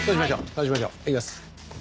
そうしましょう。いきます。